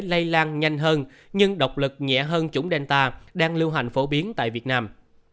lây lan nhanh hơn nhưng độc lực nhẹ hơn chủng delta đang lưu hành phổ biến tại việt nam